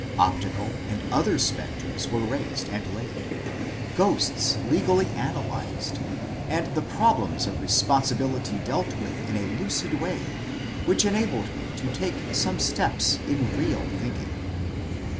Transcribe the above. Optical and other spectres were raised and laid, ghosts legally analyzed, and the problems of responsibility dealt with in a lucid way which enabled me to take some steps in real thinking.